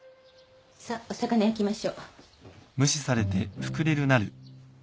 さっお魚焼きましょ。